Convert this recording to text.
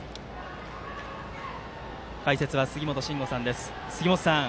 解説は杉本真吾さんです。